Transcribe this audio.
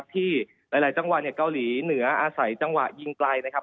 ที่หลายจังหวัดเกาหลีเหนืออาศัยจังหวะยิงไกลนะครับ